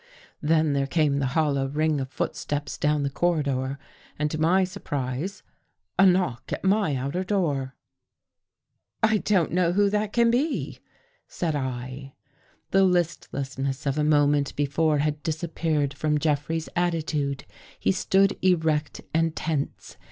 Then there came the hollow ring of footsteps down the corridor and, to my surprise, a knock at my outer door. " I don't know who that can be," said I. The listlessness of a moment before had disap peared from Jeffrey's attitude. He stood erect and tense.